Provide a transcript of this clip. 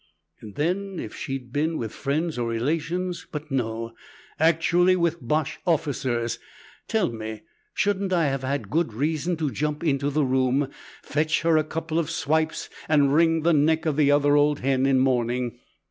"And then, if she'd been with friends or relations; but no, actually with Boche officers! Tell me, shouldn't I have had good reason to jump into the room, fetch her a couple of swipes, and wring the neck of the other old hen in mourning?